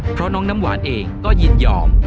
เพราะน้องน้ำหวานเองก็ยินยอม